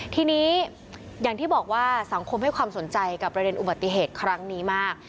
ทีนี้อย่างที่บอกว่าสังคมให้ความสนใจกับประเด็นอุบัติเหตุครั้งนี้มาก